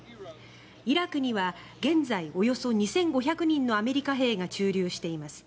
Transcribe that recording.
イラクには現在およそ２５００人のアメリカ兵が駐留しています。